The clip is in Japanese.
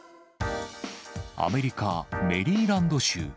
アメリカ・メリーランド州。